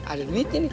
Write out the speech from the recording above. ada duitnya nih